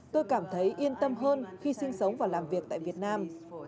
tôi cảm thấy yên tâm hơn khi sinh sống và làm việc tại việt nam